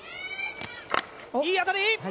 いい当たり！